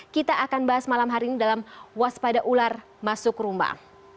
kita akan bahas malam hari ini dalam waspada ular masuk rumah